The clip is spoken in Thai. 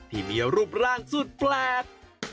ที่มีรูปร่างสุดแปลก